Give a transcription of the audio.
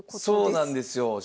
そうなんですよ。